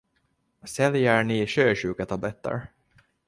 Säljer ni sjösjuketabletter?